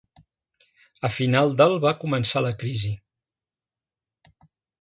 A final del va començar la crisi.